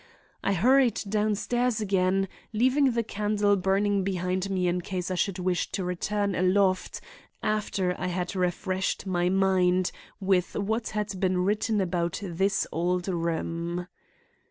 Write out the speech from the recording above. I hurried downstairs again, leaving the candle burning behind me in case I should wish to return aloft after I had refreshed my mind with what had been written about this old room.